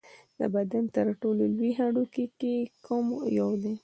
د بدن تر ټولو لوی هډوکی کوم یو دی